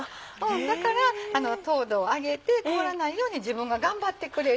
だから糖度を上げて凍らないように自分が頑張ってくれる。